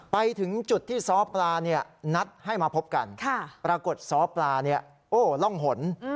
ไปถึงจุดที่ซ้อปลานัดให้มาพบกันปรากฏซ้อปลาเนี่ยโอ้ร่องหน